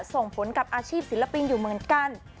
ส่งผลกับอาชีพศิลปินอยู่เหมือนกัน